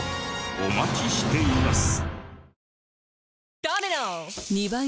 お待ちしています。